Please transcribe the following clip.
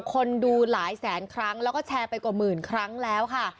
คนดูหลายแสนครั้งแล้วก็แชร์ไปกว่าหมื่นครั้งแล้วค่ะ